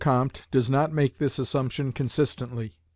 Comte does not make this assumption consistently.